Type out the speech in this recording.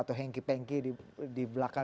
atau hengki pengki di belakang